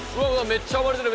めっちゃ暴れてる！